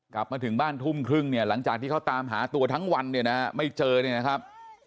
กลับมาถึงบ้านทุ่มครึ่งเนี่ยหลังจากที่เขาตามหาตัวทั้งวันเนี่ยนะฮะไม่เจอเนี่ยนะครับ